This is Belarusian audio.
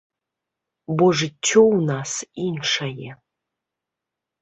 Бо жыццё ў нас іншае.